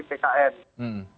terutama di pkn